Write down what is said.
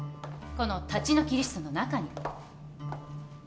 この立ち退きリストの中に。